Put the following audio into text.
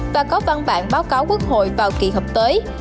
và có văn bản báo cáo quốc hội vào kỳ họp tới